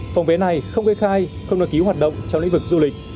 phòng vé này không gây khai không đòi cứu hoạt động trong lĩnh vực du lịch